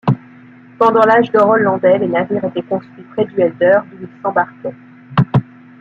Pendant l’Âge d'or hollandais, les navires étaient construits près du Helder, d'où ils s'embarquaient.